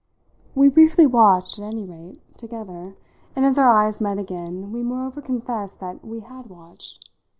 We briefly watched, at any rate, together, and as our eyes met again we moreover confessed that we had watched.